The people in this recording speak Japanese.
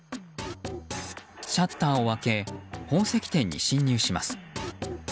シャッターを開け宝石店に侵入します。